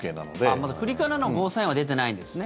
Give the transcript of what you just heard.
まだ国からのゴーサインは出てないんですね。